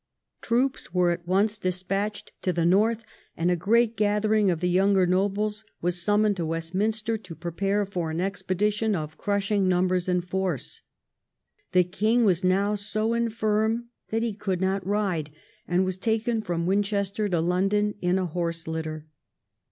Troops were at once despatched to the north, and a great gathering of the younger nobles was summoned to AVestminstcr to prepare for an expedi tion of crushing numbers and force. The king was now so infirm that he could not ride, and was taken from Winchester to London in a horse litter.